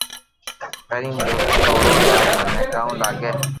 ڪرين جن سوڙاو يار مني ڪاو لاگي